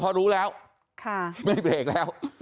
พอรู้แล้วไม่เบรกแล้ว